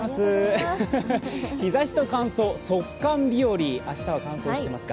日ざしと乾燥、速乾日より、明日は乾燥してますか。